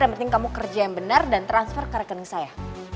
yang penting kamu kerja yang benar dan transfer ke rekening saya